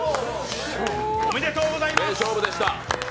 おめでとうございます。